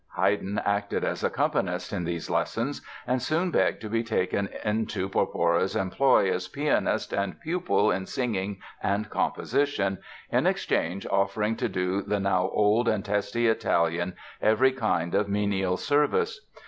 Haydn acted as accompanist in these lessons and soon begged to be taken into Porpora's employ as pianist and pupil in singing and composition, in exchange offering to do the now old and testy Italian every kind of menial service.